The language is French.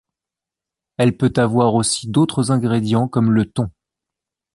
Elle peut avoir aussi d'autres ingrédients comme le thon.